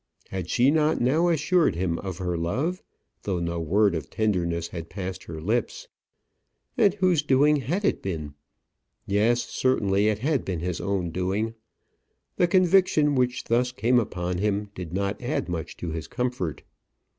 Had she not now assured him of her love, though no word of tenderness had passed her lips? And whose doing had it been? Yes, certainly; it had been his own doing. The conviction which thus came upon him did not add much to his comfort.